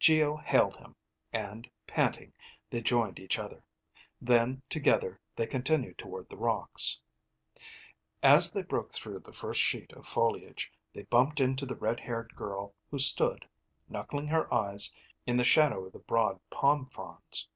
Geo hailed him, and panting, they joined each other. Then, together they continued toward the rocks. As they broke through the first sheet of foliage, they bumped into the red haired girl who stood, knuckling her eyes in the shadow of the broad palm fronds.